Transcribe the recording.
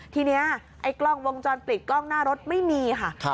ทีนี้ไอ้กล้องวงจรปิดกล้องหน้ารถไม่มีค่ะ